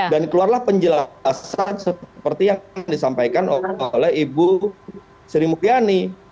dan keluarlah penjelasan seperti yang disampaikan oleh ibu sri mugliani